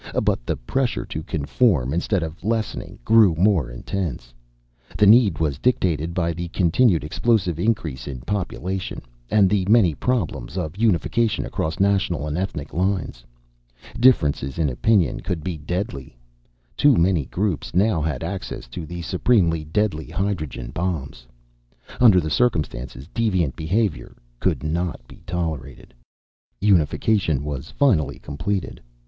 But the pressure to conform, instead of lessening, grew more intense. The need was dictated by the continued explosive increase in population, and the many problems of unification across national and ethnic lines. Differences in opinion could be deadly; too many groups now had access to the supremely deadly hydrogen bombs. Under the circumstances, deviant behavior could not be tolerated. Unification was finally completed.